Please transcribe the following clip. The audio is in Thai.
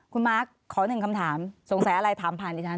คุณมาร์คขอหนึ่งคำถามสงสัยอะไรถามผ่านดิฉัน